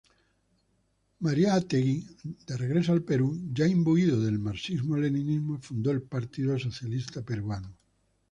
Mariátegui, de regreso al Perú, ya imbuido de marxismo-leninismo, fundó el Partido Socialista Peruano.